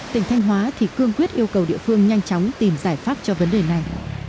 tỉnh thanh hóa thì cương quyết yêu cầu địa phương nhanh chóng tìm giải pháp cho vấn đề này